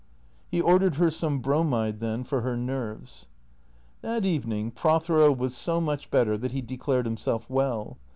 He ordered her some bromide then, for her nerves. That evening Prothero was so much better that he declared himself well.